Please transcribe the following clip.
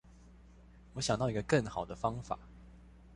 我想到一個更好的方法